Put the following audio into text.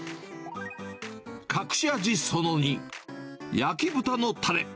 隠し味その２、焼き豚のたれ。